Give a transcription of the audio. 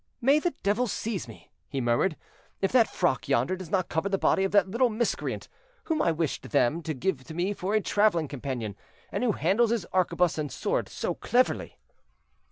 "May the devil seize me," he murmured, "if that frock yonder does not cover the body of that little miscreant whom I wished them to give me for a traveling companion, and who handles his arquebuse and sword so cleverly."